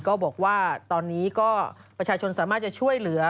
ก็บอกว่าตอนนี้ก็ประชาชนสามารถจะช่วยเหลือ